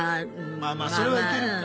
まあまあそれはいけるか。